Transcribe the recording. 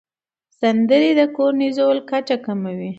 سندرې د کورتیزول کچه کموي.